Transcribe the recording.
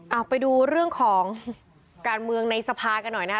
เอาไปดูเรื่องของการเมืองในสภากันหน่อยนะคะ